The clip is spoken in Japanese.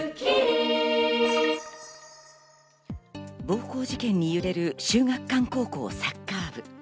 暴行事件に揺れる秀岳館高校サッカー部。